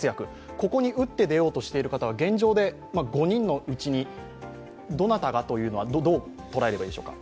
ここに打って出ようとしている方は現状で５人のうちにどなたがというのはどう捉えればいいでしょうか？